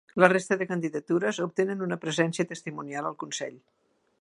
La resta de candidatures obtenen una presència testimonial al consell.